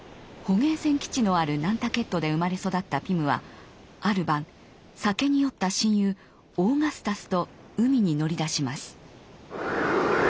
捕鯨船基地のあるナンタケットで生まれ育ったピムはある晩酒に酔った親友・オーガスタスと海に乗り出します。